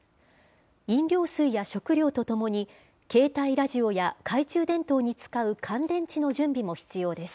飲料水や食料と共に、携帯ラジオや懐中電灯に使う乾電池の準備も必要です。